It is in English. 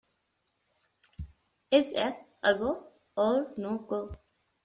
Is it a go or no-go?